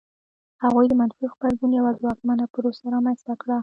هغوی د منفي غبرګون یوه ځواکمنه پروسه رامنځته کړه.